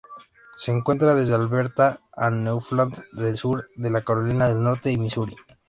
Se encuentra desde Alberta a Newfoundland, el sur de Carolina del Norte y Misuri.